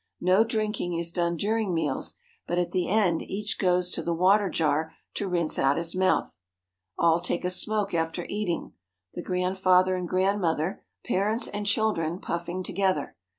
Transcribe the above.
No drinking is done during meals, but at the end each goes to the water jar to rinse out his mouth. All take a smoke after eating, the grandfather and grand mother, parents and children, puffing together.